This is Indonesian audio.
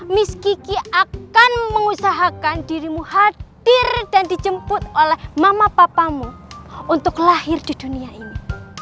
miskiki akan mengusahakan dirimu hadir dan dijemput oleh mama papamu untuk lahir di dunia ini